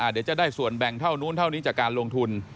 เดี๋ยวจะได้ส่วนแบ่งเท่านู้นเท่านี้จากการลงทุน